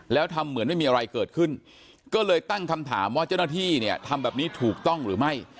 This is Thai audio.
แล้วทำเหมือนไม่มีอะไรเกิดขึ้นก็เลยตั้งคำถามว่าเจ้าหน้าที่เนี่ยทำแบบนี้ถูกต้องหรือไม่